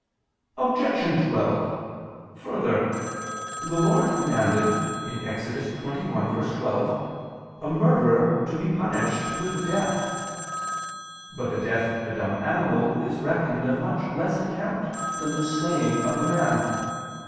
Objection 12: Further, the Lord commanded (Ex. 21:12) a murderer to be punished with death. But the death of a dumb animal is reckoned of much less account than the slaying of a man.